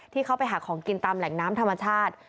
เข้าไปหาของกินตามแหล่งน้ำธรรมชาติ